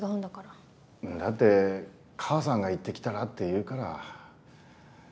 んだって母さんが行ってきたらって言うから。